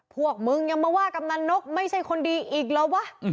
พวกมึงยังมาว่ากำนันนกไม่ใช่คนดีอีกเหรอวะ